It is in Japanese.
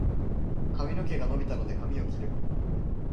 髪の毛が伸びたので、髪を切る。